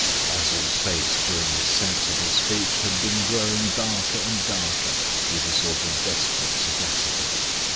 Basil's face during this sensible speech had been growing darker and darker with a sort of desperate sagacity.